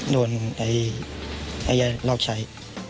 โดนไอ้ไอ้รอกชัย